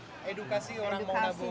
iya edukasi orang mau nabung